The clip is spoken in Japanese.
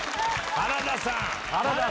原田さん！